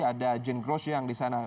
ada jane grosh yang di sana